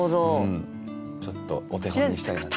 ちょっとお手本にしたいなっていう。